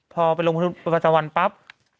พอไปลงทุนประจำวันปั๊บ